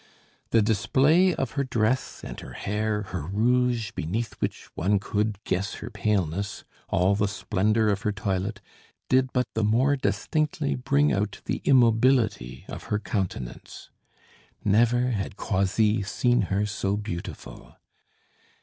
The display of her dress and her hair, her rouge, beneath which one could guess her paleness, all the splendor of her toilet, did but the more distinctly bring out the immobility of her countenance. Never had Croisilles seen her so beautiful.